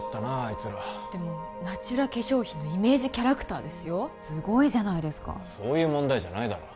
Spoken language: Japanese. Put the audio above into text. いつらでもナチュラ化粧品のイメージキャラクターですよすごいじゃないですかそういう問題じゃないだろ